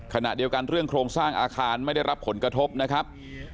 ขณะเดียวกันเรื่องโครงสร้างอาคารไม่ได้รับผลกระทบนะครับ